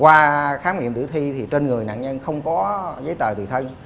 qua khám nghiệm tử thi thì trên người nạn nhân không có giấy tờ tùy thân